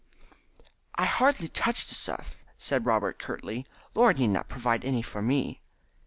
"I hardly touch the stuff," said Robert curtly; "Laura need not provide any for me."